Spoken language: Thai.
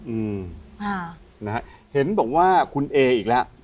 อืมค่ะนะฮะเห็นบอกว่าคุณเออีกแล้ว